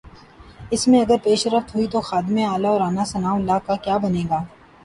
اس میں اگر پیش رفت ہوئی تو خادم اعلی اور رانا ثناء اللہ کا کیا بنے گا؟